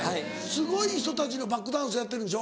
すごい人たちのバックダンサーやってるんでしょ？